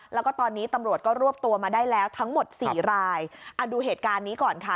แล้วก็ตอนนี้ตำรวจก็รวบตัวมาได้แล้วทั้งหมดสี่รายอ่าดูเหตุการณ์นี้ก่อนค่ะ